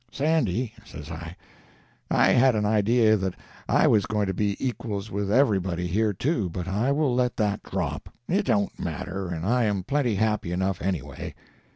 "Sandy," says I, "I had an idea that I was going to be equals with everybody here, too, but I will let that drop. It don't matter, and I am plenty happy enough anyway."